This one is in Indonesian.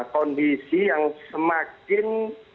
kondisi yang semakin